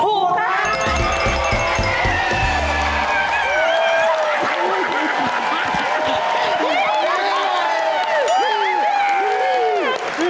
ถูกครับ